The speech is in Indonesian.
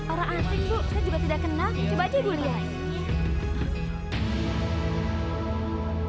orang asli bu saya juga tidak pernah menyerang